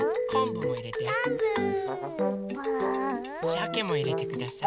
しゃけもいれてください。